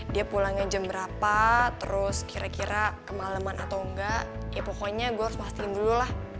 dia pulangnya jam berapa terus kira kira kemaleman atau enggak ya pokoknya gue harus pastiin dulu lah